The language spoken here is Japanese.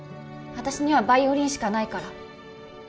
私にはバイオリンしかないから